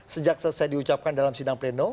sejak selesai diucapkan dalam sidang pleno